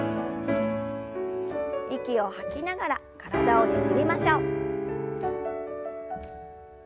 息を吐きながら体をねじりましょう。